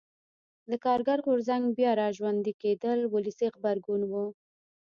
د کارګر غورځنګ بیا را ژوندي کېدل ولسي غبرګون و.